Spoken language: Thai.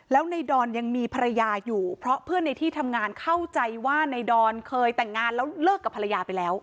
แล้วในดอนยังมีภรรยาอยู่เพราะเพื่อนในที่ทำงานเข้าใจว่าในดอนเคยแต่งงานแล้วเลิกกับภรรยาไปแล้ว